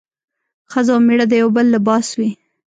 ښځه او مېړه د يو بل لباس وي